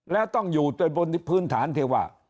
แล้วต้องอยู่แต่บนพื้นฐานที่ว่า